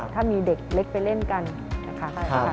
ถ้ามีเด็กเล็กไปเล่นกันนะคะ